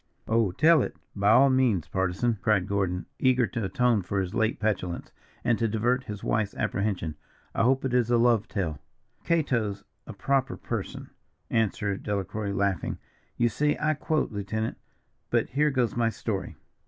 "Oh, tell it, by all means, Partisan," cried Gordon, eager to atone for his late petulance, and to divert his wife's apprehension; "I hope it is a love tale." "'Cato's a proper person'" answered Delacroix, laughing. "You see I quote, lieutenant. But here goes my story.